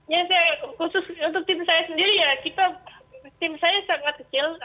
ya saya khusus untuk tim saya sendiri ya kita tim saya sangat kecil